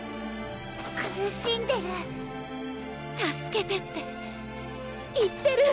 苦しんでる助けてって言ってる！